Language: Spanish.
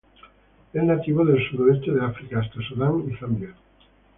Es nativo del sudoeste de África hasta Sudán y Zambia.